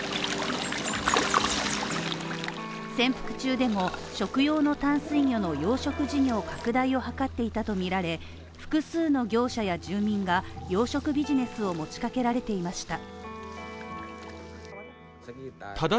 潜伏中でも、食用の淡水魚の養殖事業拡大を図っていたとみられ複数の業者や住民が養殖ビジネスを持ちかけられていました。